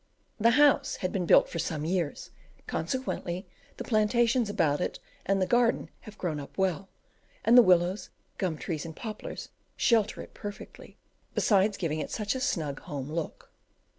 The house has been built for some years, consequently the plantations about it and the garden have grown up well, and the willows, gum trees, and poplars shelter it perfectly, besides giving it such a snug home look.